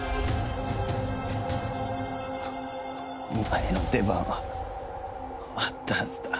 お前の出番は終わったはずだ。